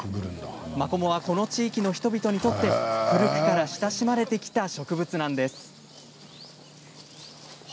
マコモはこの地域の人々にとって古くから親しまれてきた植物なんです。